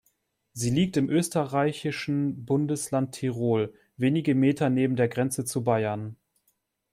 Sie liegt im österreichischen Bundesland Tirol, wenige Meter neben der Grenze zu Bayern.